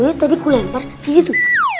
palu tadi aku lempar disitu